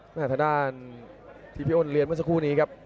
ทางด้านที่พี่อ้นเรียนเมื่อสักครู่นี้ครับ